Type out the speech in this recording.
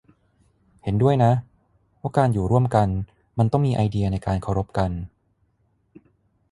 เห็นด้วยนะว่าการอยู่ร่วมกันมันต้องมีไอเดียในการเคารพกัน